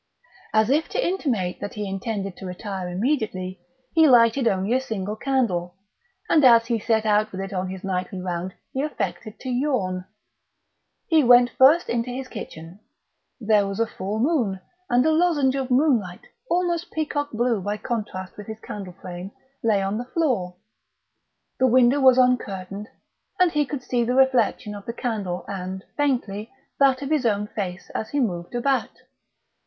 As if to intimate that he intended to retire immediately, he lighted only a single candle; and as he set out with it on his nightly round he affected to yawn. He went first into his kitchen. There was a full moon, and a lozenge of moonlight, almost peacock blue by contrast with his candle frame, lay on the floor. The window was uncurtained, and he could see the reflection of the candle, and, faintly, that of his own face, as he moved about.